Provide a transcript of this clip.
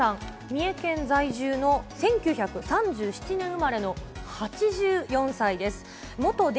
三重県在住の１９３７年生まれの８４歳です。